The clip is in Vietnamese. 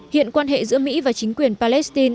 hiện quan hệ giữa mỹ và chính quyền palestine